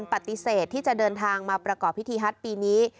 ปฏิเสธที่จะเดินทางมาประกอบพิธีฮัตปีนี้